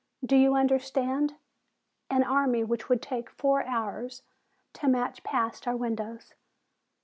Do you understand? An army which would take four hours to march past our windows."